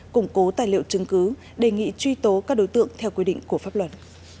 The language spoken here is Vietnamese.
củng cố tài liệu chứng cứ đề nghị truy tố các đối tượng theo quy định của pháp luật